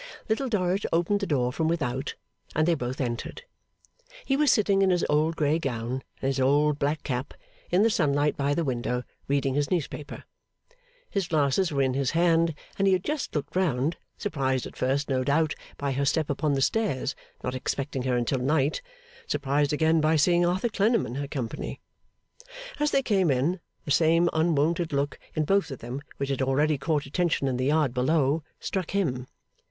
Little Dorrit opened the door from without, and they both entered. He was sitting in his old grey gown and his old black cap, in the sunlight by the window, reading his newspaper. His glasses were in his hand, and he had just looked round; surprised at first, no doubt, by her step upon the stairs, not expecting her until night; surprised again, by seeing Arthur Clennam in her company. As they came in, the same unwonted look in both of them which had already caught attention in the yard below, struck him.